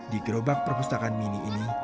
di gerobak perpustakaan mini ini